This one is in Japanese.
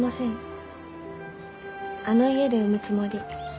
あの家で産むつもり。